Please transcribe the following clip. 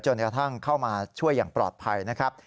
กระทั่งเข้ามาช่วยอย่างปลอดภัยนะครับ